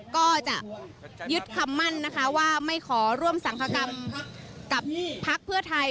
ก็จะยึดคำมั่นนะคะว่าไม่ขอร่วมสังคกรรมกับพักเพื่อไทย